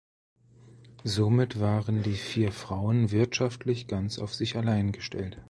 Somit waren die vier Frauen wirtschaftlich ganz auf sich allein gestellt.